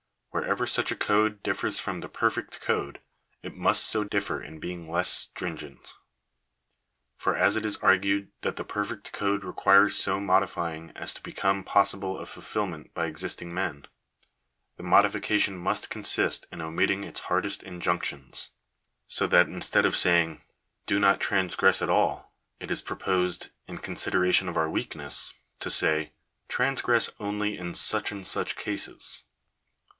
Wherever such a code differs from the perfect code, it must so differ in being less stringent; for as it is argued that the perfect code requires so modifying as to become possible of fulfilment by existing men, the modification must consist in omitting its hardest injunctions. So that instead of saying —" Do not transgress at all," it is proposed, in consideration of our weakness, to say —" Trans gress only in such and such cases."